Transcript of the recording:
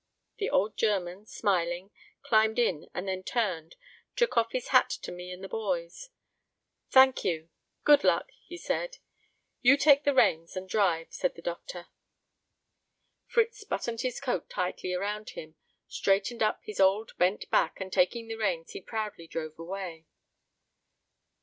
The old German, smiling, climbed in and then turned, took his hat off to me and the boys. "Thank you.... Good luck," he said. "You take the reins and drive," said the Doctor. Fritz buttoned his coat tightly around him, straightened up his old bent back and taking the reins he proudly drove away.